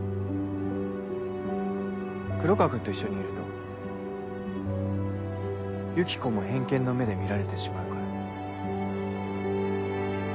黒川君と一緒にいるとユキコも偏見の目で見られてしまうから。